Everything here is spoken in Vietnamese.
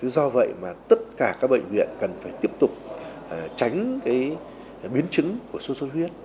do vậy mà tất cả các bệnh viện cần phải tiếp tục tránh biến chứng của sốt xuất huyết